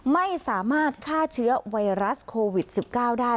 ไม่สามารถฆ่าเชื้อไวรัสโควิด๑๙ได้